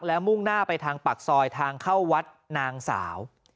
แล้วมุ่งหน้าไปทางปากซอยทางเข้าวัดนางสาว